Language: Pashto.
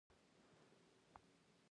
مینې ناجیې ته ټیلیفون وکړ او وژړل